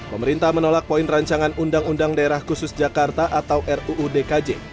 pemerintah menolak poin rancangan undang undang daerah khusus jakarta atau ruu dkj